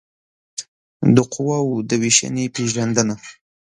د قواوو د وېشنې پېژندنه